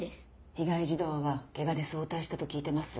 被害児童はけがで早退したと聞いてます。